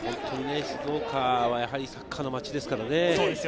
静岡はやはりサッカーの街ですからね。